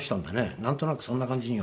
なんとなくそんな感じには。